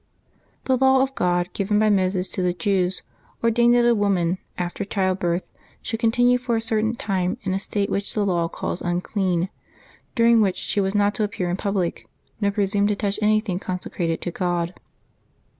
GHE law of God, given by Moses to the Jews, ordained that a woman, after childbirth, should continue for a certain time in a state which that law calls unclean, dur ing which she was not to appear in public, nor presume to touch anything consecrated to God.